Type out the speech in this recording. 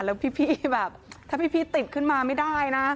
แล้วพี่แบบถ้าพี่ติดขึ้นมาไม่ได้นะ